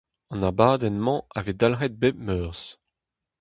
An abadenn-mañ a vez dalc'het bep Meurzh.